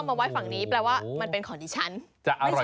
ไม่ต้องไปเหนื่อยตามเขา